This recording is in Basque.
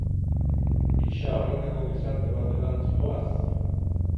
Gisa horretako gizarte baterantz goaz?